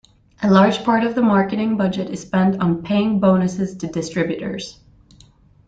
A large part of the marketing budget is spent on paying bonuses to distributors.